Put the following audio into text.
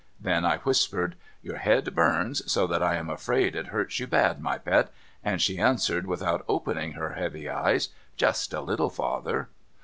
(Then I whispered, 'Your head burns so, that I am afraid it hurts you bad, my pet,' and she answered, without opening her heavy eyes, ' Just a little, father.')